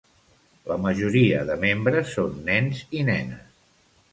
La majoria de membres són nens i nenes.